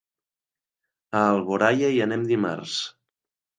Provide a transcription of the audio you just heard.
A Alboraia hi anem dimarts.